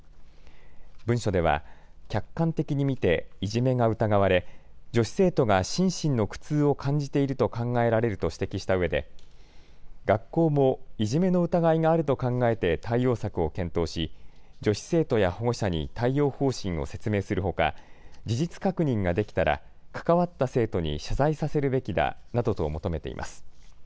文書では客観的に見て、いじめが疑われ女子生徒が心身の苦痛を感じていると考えられると指摘したうえで学校も、いじめの疑いがあると考えて対応策を検討し女子生徒や保護者に対応方針を説明するほか事実確認ができたら、関わった生徒に謝罪させるべきだなどと求めています。